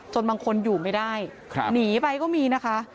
บางคนอยู่ไม่ได้หนีไปก็มีนะคะ